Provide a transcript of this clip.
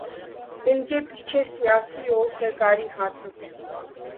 انکے پیچھے سیاسی و سرکاری ہاتھ ہوتے ہیں